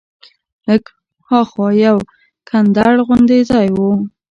لږ ها خوا یو کنډر غوندې ځای و.